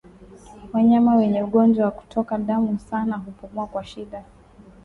Wanyama wenye ugonjwa wa kutoka damu sana hupumua kwa shida